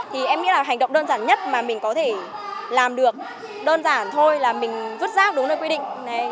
thì em nghĩ là hành động đơn giản nhất mà mình có thể làm được đơn giản thôi là mình vứt rác đúng nơi quy định